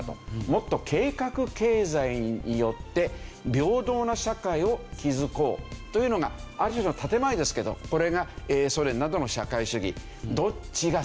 もっと計画経済によって平等な社会を築こうというのがある種の建前ですけどこれがソ連などの社会主義。